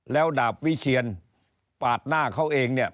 แล้วดาบวิเชียนปาดหน้าเขาเองเนี่ย